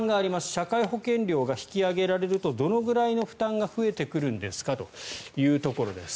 社会保険料が引き上げられるとどのぐらいの負担が増えてくるんですかというところ。